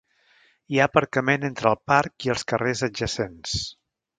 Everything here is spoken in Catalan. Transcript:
Hi ha aparcament entre el parc i els carrers adjacents.